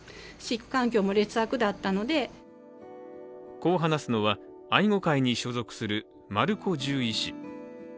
こう話すのは、愛護会に所属する丸子獣医師。